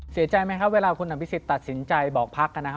เสียใจไหมครับเวลาคุณหนังพิษศิตรตัดสินใจบอกพรรค